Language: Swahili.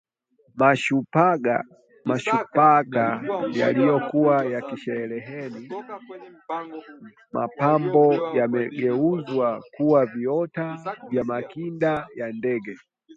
Mashubaka yaliyokuwa yakisheheni mapambo yamegeuzwa kuwa viota vya makinda ya ndege